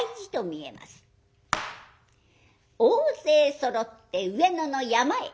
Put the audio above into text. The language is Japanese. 大勢そろって上野の山へ。